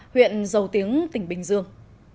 huyện dầu tiếng tỉnh bình dương